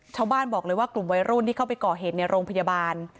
ชาวบ้านบอกเลยว่ากลุ่มวัยรุ่นที่เข้าไปก่อเหตุในโรงพยาบาล